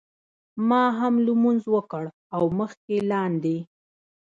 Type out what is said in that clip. ما هم لمونځ وکړ او مخکې لاندې.